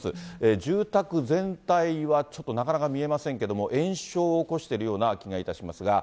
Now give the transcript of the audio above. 住宅全体はちょっとなかなか見えませんけども、延焼を起こしているような気がいたしますが。